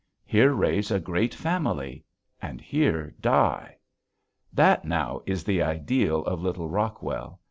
here raise a great family and here die. That now is the ideal of little Rockwell.